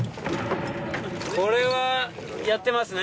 これはやってますね。